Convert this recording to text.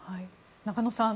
中野さん